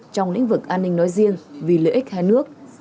trong lĩnh vực an ninh nói riêng vì lợi ích hai nước